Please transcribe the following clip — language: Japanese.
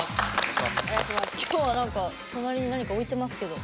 今日は何か隣に何か置いてますけど。